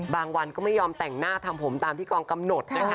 บางวันก็ไม่ยอมแต่งหน้าทำผมตามที่กองกำหนดนะคะ